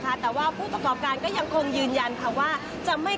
เพราะว่าตรงนี้มันมีแต่คนทำงานมาซื้อ